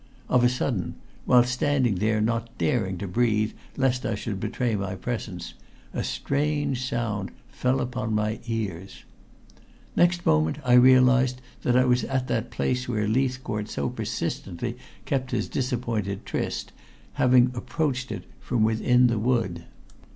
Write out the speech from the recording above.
Of a sudden, while standing there not daring to breathe lest I should betray my presence, a strange sound fell upon my eager ears. Next moment I realized that I was at that place where Leithcourt so persistently kept his disappointed tryst, having approached it from within the wood.